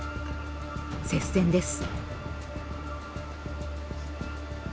接戦です。